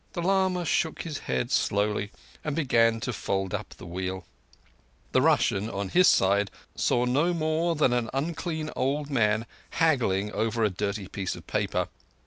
The lama shook his head slowly and began to fold up the Wheel. The Russian, on his side, saw no more than an unclean old man haggling over a dirty piece of paper.